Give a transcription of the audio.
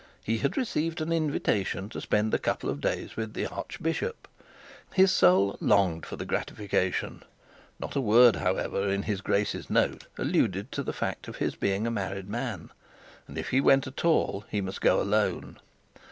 He had received an invitation to spend a couple of days with the archbishop. His soul longed for the gratification. Not a word, however, in his grace's note alluded to the fact that he was a married man; and, if he went at all, he must go alone.